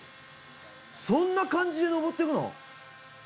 そんな感じで登ってくの？